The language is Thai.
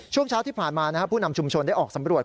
ช่วงเช้าที่ผ่านมาผู้นำชุมชนได้ออกสำรวจ